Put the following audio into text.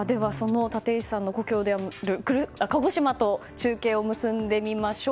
立石さんの故郷である鹿児島と中継を結んでみましょう。